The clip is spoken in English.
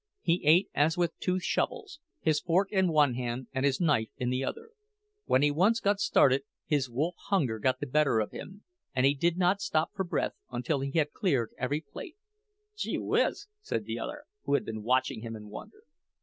He ate as with two shovels, his fork in one hand and his knife in the other; when he once got started his wolf hunger got the better of him, and he did not stop for breath until he had cleared every plate. "Gee whiz!" said the other, who had been watching him in wonder.